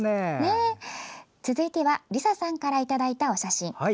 続いてはりささんからいただいたお写真。